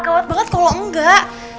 gawat banget kalau enggak